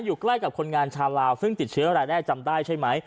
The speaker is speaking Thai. อยู่ใกล้กับคนงานชาวลาวซึ่งติดเชื้อรายแรกจำได้ใช่ไหม